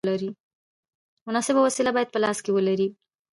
مناسبه وسیله باید په لاس کې ولرې.